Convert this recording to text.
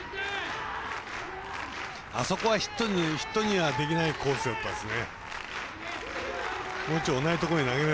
あそこはヒットにはできないコースですね。